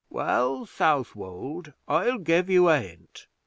Well, Southwold, I'll give you a hint.